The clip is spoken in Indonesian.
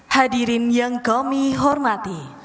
hadirin yang kami hormati